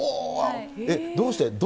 どうして？